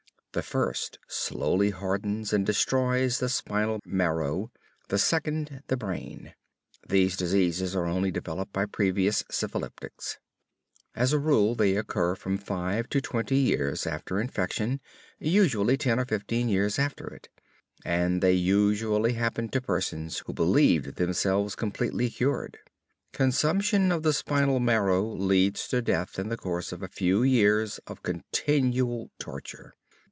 The first slowly hardens and destroys the spinal marrow, the second the brain. These diseases are only developed by previous syphilitics. As a rule they occur from 5 to 20 years after infection, usually 10 or 15 years after it. And they usually happen to persons who believed themselves completely cured. Consumption of the spinal marrow leads to death in the course of a few years of continual torture.